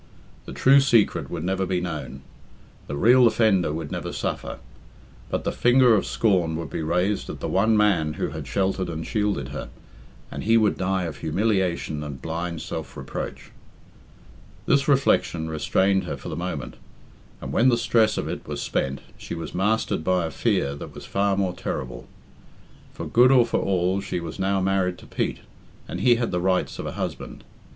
The true secret would never be known; the real offender would never suffer; but the finger of scorn would be raised at the one man who had sheltered and shielded her, and he would die of humiliation and blind self reproach. This reflection restrained her for the moment, and when the stress of it was spent she was mastered by a fear that was far more terrible. For good or for all she was now married to Pete, and he had the rights of a husband.